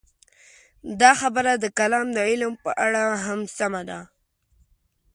دا خبره د کلام د علم په اړه هم سمه ده.